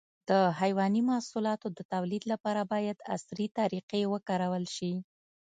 د حيواني محصولاتو د تولید لپاره باید عصري طریقې وکارول شي.